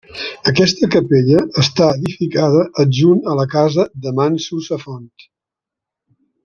Aquesta capella està edificada adjunt a la casa de manso Safont.